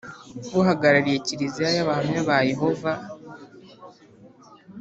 Uhagarariye Kiliziya y’Abahamya ba Yehova